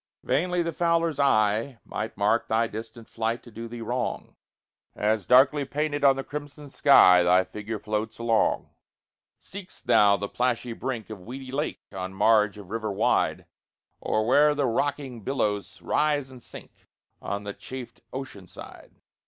Vainly the fowler's eye Might mark thy distant flight to do thee wrong, As, darkly painted on the crimson sky, Thy figure floats along, Seek'st thou the plashy brink Of weedy lake, or marge of river wide, Or where the rocking billows rise and sink On the chafed ocean side?